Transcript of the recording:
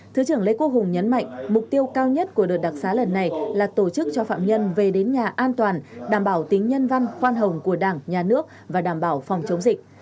thứ trưởng lê quốc hùng nhấn mạnh mục tiêu cao nhất của đợt đặc xá lần này là tổ chức cho phạm nhân về đến nhà an toàn đảm bảo tính nhân văn khoan hồng của đảng nhà nước và đảm bảo phòng chống dịch